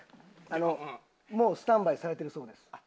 あのもうスタンバイされてるそうです。